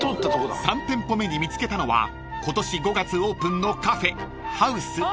［３店舗目に見つけたのは今年５月オープンのカフェ］